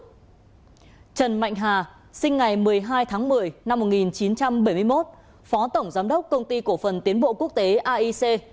trần mạnh hà sinh ngày một mươi hai tháng một mươi năm một nghìn chín trăm bảy mươi một phó tổng giám đốc công ty cổ phần tiến bộ quốc tế aic